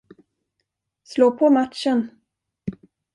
Slå på matchen.